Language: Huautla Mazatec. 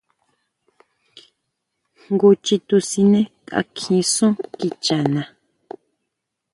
Jngu chitu siné kakji sún kicha nhán.